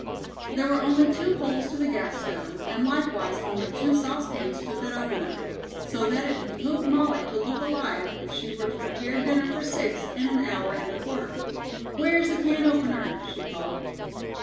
'" There were only two holes to the gas stove and likewise only two saucepans to fit over them, so that it behooved Molly to look alive if she were to prepare dinner for six in an hour and a quarter. "Where's the can opener?" she called.